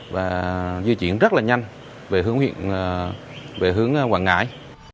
và di chuyển rất là nhanh về hướng huyện về hướng quảng ngãi